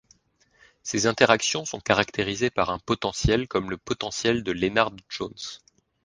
Ces interactions sont caractérisées par un potentiel comme le potentiel de Lennard-Jones.